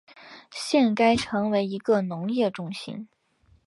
现该城为一个农业中心。